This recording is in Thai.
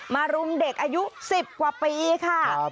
รุมเด็กอายุ๑๐กว่าปีค่ะ